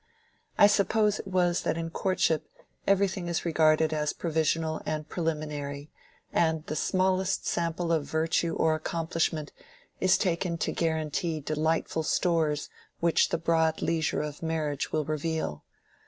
I suppose it was that in courtship everything is regarded as provisional and preliminary, and the smallest sample of virtue or accomplishment is taken to guarantee delightful stores which the broad leisure of marriage will reveal.